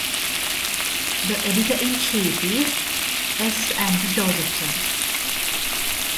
The editor-in-chief is S. Andrew Josephson.